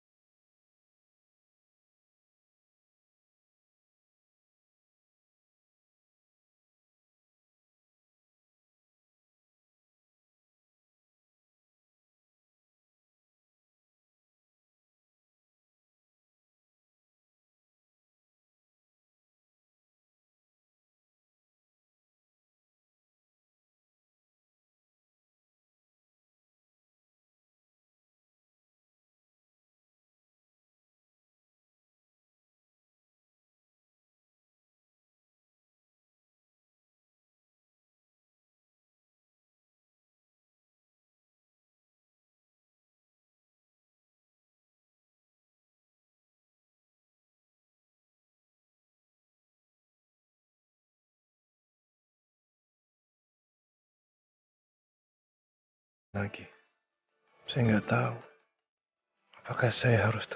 masaddin itu enak banget